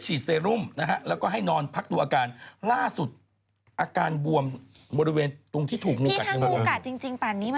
จับกอคุณทุกวันเลยในเสียงนี้